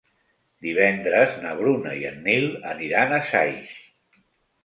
Divendres na Bruna i en Nil aniran a Saix.